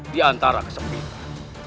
di antara kesempitan